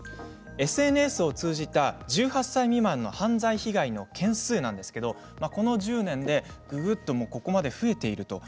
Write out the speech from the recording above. ＳＮＳを通じた１８歳未満の犯罪被害の件数なんですけれどこの１０年でここまで増えている。